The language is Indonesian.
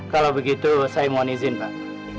kalau begitu saya mohon izin pak